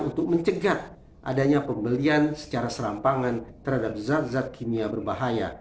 untuk mencegah adanya pembelian secara serampangan terhadap zat zat kimia berbahaya